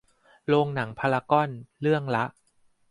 โรงหนังพารากอน เรื่องละ